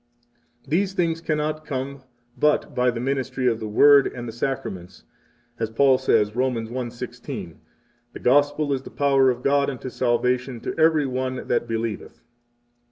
9 These things cannot come but by the ministry of the Word and the Sacraments, as Paul says, Rom. 1:16: The Gospel is the power of God unto salvation to every one that believeth.